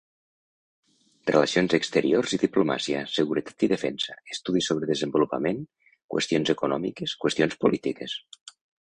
Relacions exteriors i diplomàcia, seguretat i defensa, estudis sobre desenvolupament, qüestions econòmiques, qüestions polítiques.